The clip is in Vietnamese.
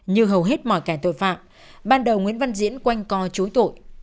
như hầu hết mọi kẻ tội phạm ban đầu nguyễn văn diễn quanh co chối tội